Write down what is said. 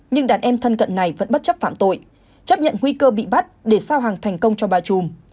nhưng đàn em thân cận này vẫn bất chấp phạm tội chấp nhận nguy cơ bị bắt để sao hàng thành công cho bà trùm